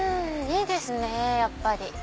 いいですねやっぱり。